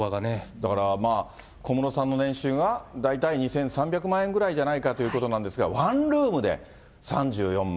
だからまあ、小室さんの年収が、大体２３００万円ぐらいじゃないかということなんですが、ワンルームで３４万。